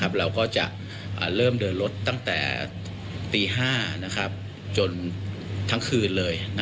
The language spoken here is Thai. เราก็จะเริ่มเดินรถตั้งแต่ตี๕จนทั้งคืนเลย